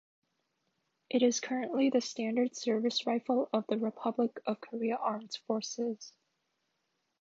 It is currently the standard service rifle of the Republic of Korea Armed Forces.